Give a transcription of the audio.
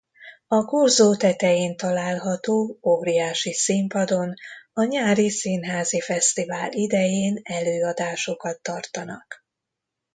A Korzó tetején található óriási színpadon a nyári színházi fesztivál idején előadásokat tartanak.